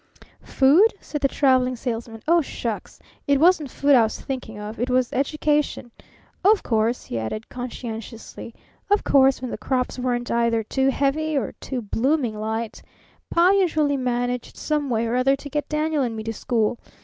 "Food?" said the Traveling Salesman. "Oh, shucks! It wasn't food I was thinking of. It was education. Oh, of course," he added conscientiously, "of course, when the crops weren't either too heavy or too blooming light, Pa usually managed some way or other to get Daniel and me to school.